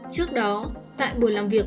trước đó tại buổi làm việc